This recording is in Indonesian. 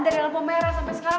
dari lampu merah sampai sekarang